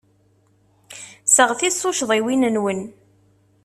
Seɣtit tuccḍiwin-nwen.